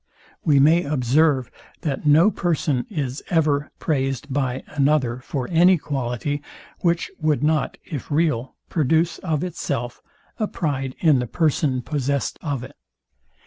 We may observe, that no person is ever praised by another for any quality, which would not, if real, produce, of itself, a pride in the person possest of it.